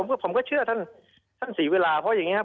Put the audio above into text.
ผมก็เชื่อท่านศรีเวลาเพราะอย่างนี้ครับ